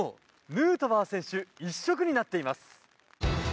ヌートバー選手一色になっています！